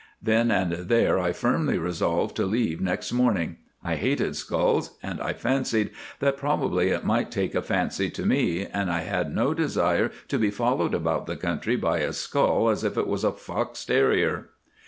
Then and there I firmly resolved to leave next morning. I hated skulls, and I fancied that probably it might take a fancy to me, and I had no desire to be followed about the country by a skull as if it was a fox terrier.